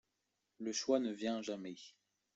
Le choix ne vient jamais.